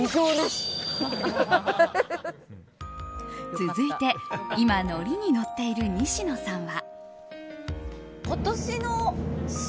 続いて、今ノリに乗っている西野さんは。